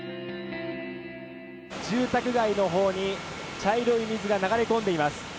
「住宅街の方に茶色い水が流れ込んでいます」。